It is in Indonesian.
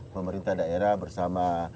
pemerintah daerah bersama